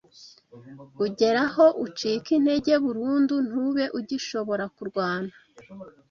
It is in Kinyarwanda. ugera aho ucika intege burundu ntube ugishobora kurwana